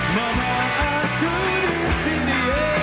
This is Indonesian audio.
mama aku disini